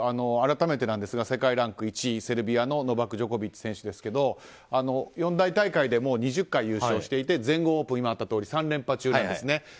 改めてですが、世界ランク１位セルビアのノバク・ジョコビッチ選手ですが四大大会で２０回優勝していて全豪オープンは３連覇中だったんですね。